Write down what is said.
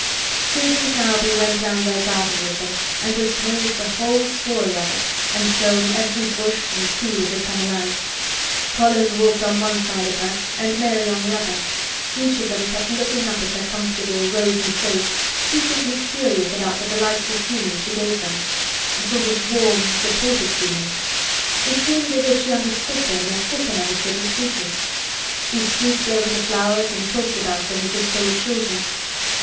Susan Sowerby went round their garden with them and was told the whole story of it and shown every bush and tree which had come alive. Colin walked on one side of her and Mary on the other. Each of them kept looking up at her comfortable rosy face, secretly curious about the delightful feeling she gave them—a sort of warm, supported feeling. It seemed as if she understood them as Dickon understood his "creatures." She stooped over the flowers and talked about them as if they were children.